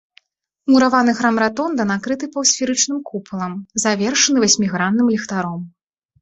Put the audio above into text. Мураваны храм-ратонда накрыты паўсферычным купалам, завершаны васьмігранным ліхтаром.